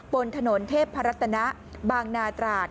บนถนนเทพรัตนะบางนาตราด